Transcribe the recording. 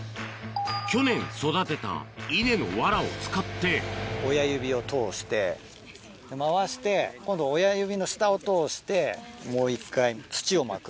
去年育てた稲の藁を使って親指を通して回して今度親指の下を通してもう一回土を巻く。